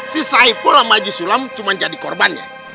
si saipul sama si sulam cuma jadi korbannya